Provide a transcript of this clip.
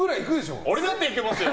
俺だっていけますよ！